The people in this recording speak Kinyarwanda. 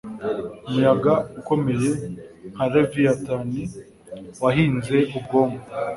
Umuyaga ukomeye nka leviathan wahinze ubwonko